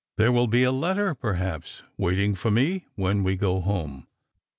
" There will be a letter, perhaps, waiting for mo "hen we go home."